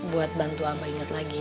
buat bantu amba inget lagi